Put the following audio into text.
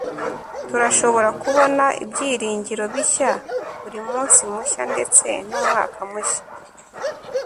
turashobora kubona ibyiringiro bishya buri munsi mushya ndetse n'umwaka mushya